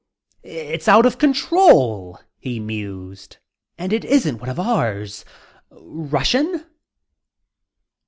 "It's out of control," he mused. "And it isn't one of ours. Russian?"